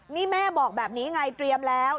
นี่แม่บอกแบบนี้ไงเตรียมแล้ว